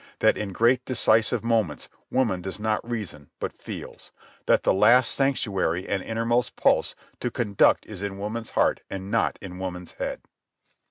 . that in great decisive moments woman does not reason but feels; that the last sanctuary and innermost pulse to conduct is in woman's heart and not in woman's head.